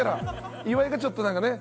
岩井がちょっと何かね